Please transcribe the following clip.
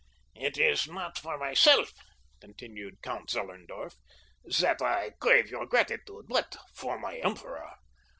"It is not for myself," continued Count Zellerndorf, "that I crave your gratitude, but for my emperor.